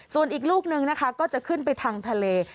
ส่วนอีกลูกนึงนะคะก็จะขึ้นไปทางทะเล